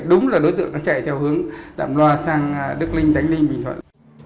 đúng là đối tượng nó chạy theo hướng đạm loa sang đức linh tánh linh bình thuận